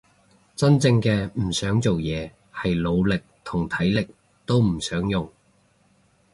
真正嘅唔想做嘢係腦力同體力都唔想用